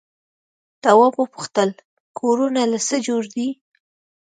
تواب وپوښتل کورونه له څه جوړ دي؟